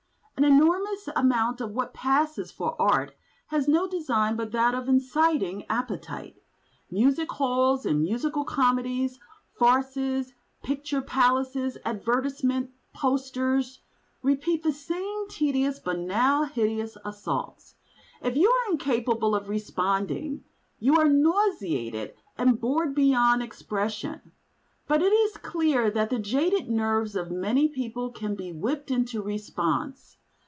An enormous amount of what passes for art has no design but that of inciting appetite. Music halls and musical comedies, farces, picture palaces, advertisement posters, repeat the same tedious, banal, hideous assaults. If you are incapable of responding, you are nauseated and bored beyond expression; but it is clear that the jaded nerves of many people can be whipped into response.